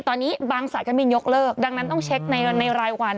ตอนนี้บางสายการบินยกเลิกดังนั้นต้องเช็คในรายวัน